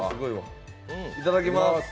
いただきます。